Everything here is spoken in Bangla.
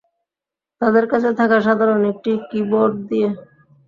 তাদের কাছে থাকা সাধারণ একটি কিবোর্ড দিয়ে।